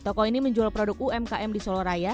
toko ini menjual produk umkm di soloraya